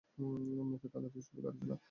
মুখে তালা দিয়ে শুধু গাড়ি চালা।